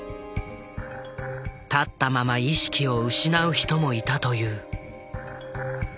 立ったまま意識を失う人もいたという。